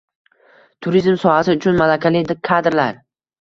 Turizm sohasi uchun malakali kadrlar